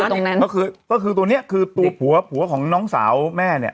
ตรงนั้นก็คือก็คือตัวเนี้ยคือตัวผัวผัวของน้องสาวแม่เนี่ย